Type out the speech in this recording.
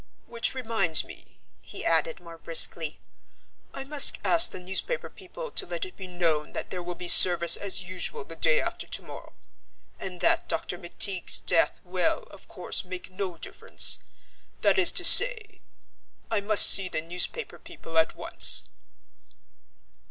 Which reminds me," he added more briskly, "I must ask the newspaper people to let it be known that there will be service as usual the day after tomorrow, and that Dr. McTeague's death will, of course, make no difference that is to say I must see the newspaper people at once."